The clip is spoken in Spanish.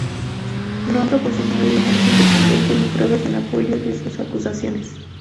No han proporcionado evidencia independiente ni pruebas en apoyo de sus acusaciones".